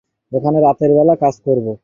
রাতের বেলা এ কাজ করবো।